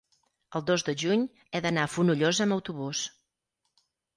el dos de juny he d'anar a Fonollosa amb autobús.